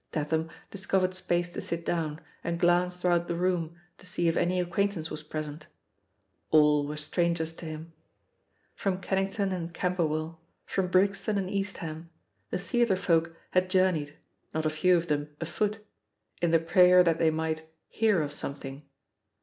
Tatham discovered space to sit down, and glanced round the room to see if any acquaint ance was present. All were strangers to him. From Kennington and Camberwell, from Brix ton and East Ham, the theatre folk had jour neyed, not a few of them afoot, in the prayer that they might "hear of something."